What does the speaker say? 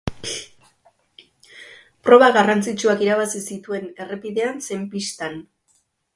Proba garrantzitsuak irabazi zituen errepidean zein pistan.